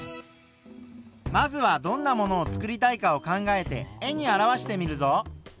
まずはどんなものをつくりたいかを考えて絵に表してみるぞ。